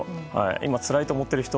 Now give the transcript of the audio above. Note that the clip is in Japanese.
今、つらいと思っている人